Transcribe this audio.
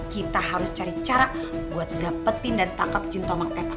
kita harus cari cara buat dapetin dan tangkap jin tomang eta